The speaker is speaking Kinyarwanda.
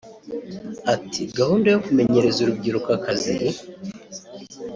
Ati"Gahunda yo kumenyereza urubyiruko akazi